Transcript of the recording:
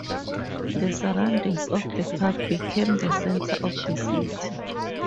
The surroundings of the park became the center of the city.